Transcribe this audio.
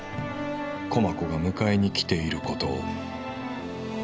駒子が迎えに来ていることを。